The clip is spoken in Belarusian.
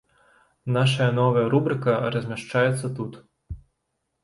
Нашая новая рубрыка размяшчаецца тут.